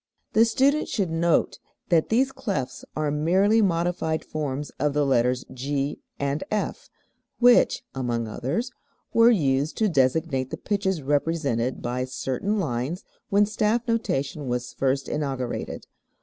] The student should note that these clefs are merely modified forms of the letters G and F, which (among others) were used to designate the pitches represented by certain lines when staff notation was first inaugurated.